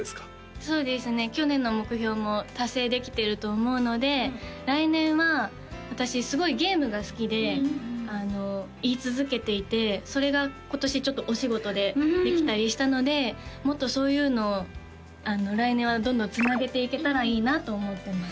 そうですね去年の目標も達成できてると思うので来年は私すごいゲームが好きで言い続けていてそれが今年ちょっとお仕事でできたりしたのでもっとそういうのを来年はどんどんつなげていけたらいいなと思ってます